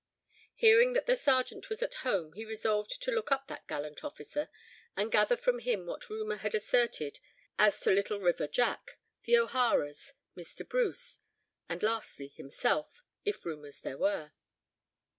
Hearing that the Sergeant was at home he resolved to look up that gallant officer, and gather from him what rumour had asserted as to Little River Jack, the O'Haras, Mr. Bruce, and lastly himself, if rumours there were.